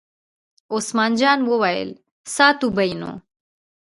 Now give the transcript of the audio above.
عثمان جان وویل: ساتو به یې نو.